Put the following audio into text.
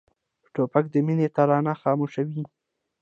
توپک د مینې ترانه خاموشوي.